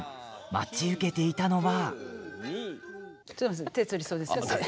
待ち受けていたのは。